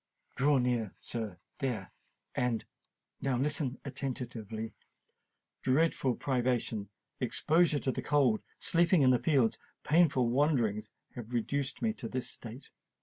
"Draw near, sir—there—and now listen attentively. Dreadful privation—exposure to the cold—sleeping in the fields—and painful wanderings have reduced me to this state.